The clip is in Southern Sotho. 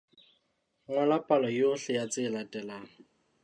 Ngola palo yohle ya tse latelang.